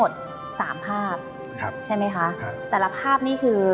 ควบคุมไฟที่อยู่ช่วงเทพธิบาลในโบสถ์ที่สุด